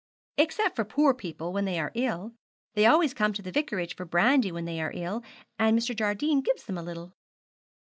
'Except for poor people, when they are ill; they always come to the vicarage for brandy when they are ill, and Mrs. Jardine gives them a little.'